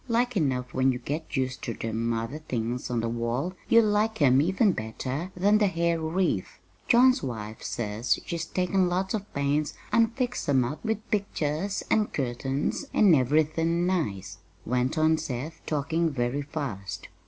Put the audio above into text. "Like enough when you get used ter them other things on the wall you'll like 'em even better than the hair wreath. John's wife says she's taken lots of pains an' fixed 'em up with pictures an' curtains an' everythin' nice," went on Seth, talking very fast.